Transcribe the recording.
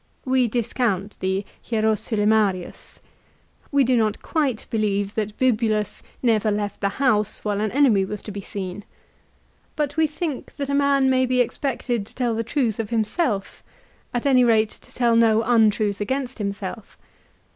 We discount the " Hierosolymarius." We do not quite believe that Bibulus never left the house while an enemy was to be seen. But we think that a man may be 166 LIFE OF CICERO. expected to tell the truth of himself ; at any rate to tell no untruth against himself.